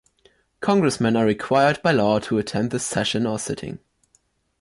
Congressmen are required by law to attend the session/sitting.